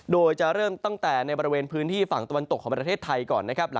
โดยจะเริ่มตั้งแต่ในบริเวณพื้นที่ฝั่งตะวันตกของประเทศไทยก่อนนะครับ